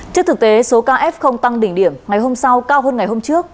trước thực tế số kf tăng đỉnh điểm ngày hôm sau cao hơn ngày hôm trước